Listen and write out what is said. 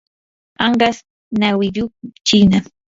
anqas nawiyuq chiina.